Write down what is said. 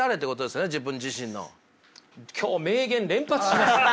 今日名言連発しますね。